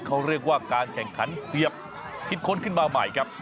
เขาเรียกว่าการแข่งขันเสียบคิดค้นขึ้นมาใหม่ครับ